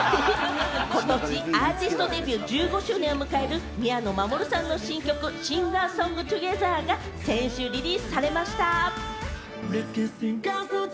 ことしアーティストデビュー１５周年を迎える宮野真守さんの新曲『Ｓｉｎｇａｓｏｎｇｔｏｇｅｔｈｅｒ』が先週リリースされました。